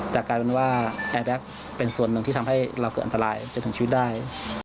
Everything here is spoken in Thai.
แต่กลายเป็นว่าแอร์แบ็คเป็นส่วนหนึ่งที่ทำให้เราเกิดอันตรายจนถึงชีวิตได้